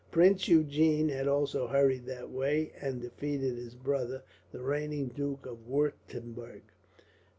Prince Eugene had also hurried that way, and defeated his brother, the reigning Duke of Wuertemberg.